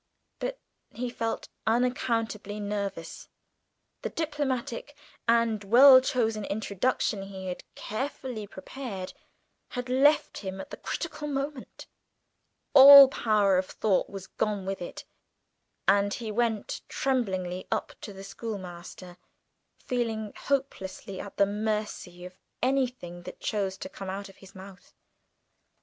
But he felt unaccountably nervous; the diplomatic and well chosen introduction he had carefully prepared had left him at the critical moment; all power of thought was gone with it, and he went tremblingly up to the schoolmaster, feeling hopelessly at the mercy of anything that chose to come out of his mouth.